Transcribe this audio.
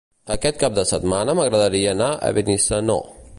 Aquest cap de setmana m'agradaria anar a Benissanó.